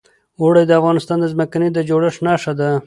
اوړي د افغانستان د ځمکې د جوړښت نښه ده.